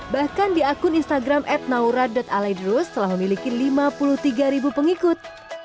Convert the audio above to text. bahkan di akun instagram at naura aledrus telah memiliki lima puluh tiga ribu pengikut